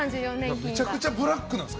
めちゃくちゃブラックなんですか？